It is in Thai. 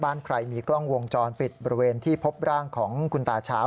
บ้านใครมีกล้องวงจรปิดบริเวณที่พบร่างของคุณตาเช้า